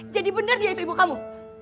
jadi benar dia itu ibu kamu